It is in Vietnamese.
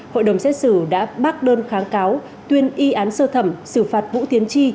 hội đồng xét xử đã bác đơn kháng cáo tuyên y án sơ thẩm xử phạt vũ tiến tri